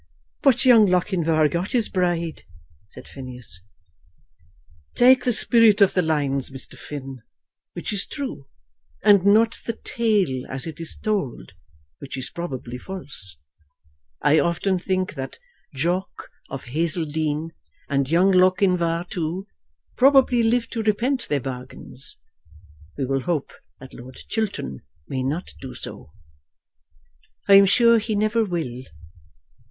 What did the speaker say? "But young Lochinvar got his bride," said Phineas. "Take the spirit of the lines, Mr. Finn, which is true; and not the tale as it is told, which is probably false. I often think that Jock of Hazledean, and young Lochinvar too, probably lived to repent their bargains. We will hope that Lord Chiltern may not do so." "I am sure he never will."